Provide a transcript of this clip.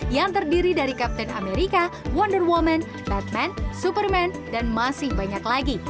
yang terdiri dari kapten amerika wonder woman batman superman dan masih banyak lagi